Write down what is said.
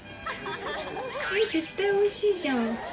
絶対おいしいじゃん！